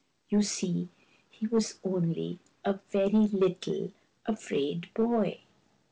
You see, he was only a very little, afraid boy.